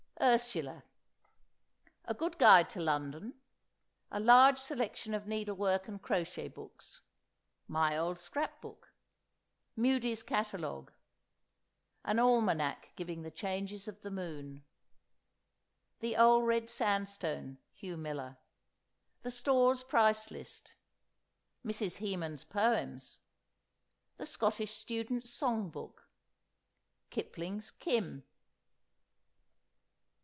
URSULA. A good Guide to London. A large selection of Needlework and Crochet Books. My old Scrapbook. Mudie's Catalogue. An Almanac giving the changes of the moon. "The Old Red Sandstone." Hugh Miller. The Stores Price List. Mrs. Hemans' Poems. The Scottish Student's Song Book. Kipling's "Kim."